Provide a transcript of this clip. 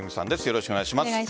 よろしくお願いします。